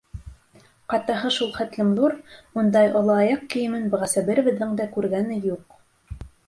Ҡатаһы шул хәтлем ҙур, ундай оло аяҡ кейемен бығаса беребеҙҙең дә күргәне юҡ.